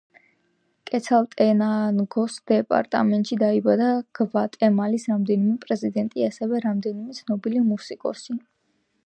კეცალტენანგოს დეპარტამენტში დაიბადა გვატემალის რამდენიმე პრეზიდენტი, ასევე რამდენიმე ცნობილი მუსიკოსი.